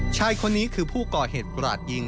ชายคนนี้คือผู้ก่อเหตุกราดยิง